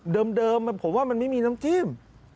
เดิมผมว่ามันไม่มีน้ำจิ้ม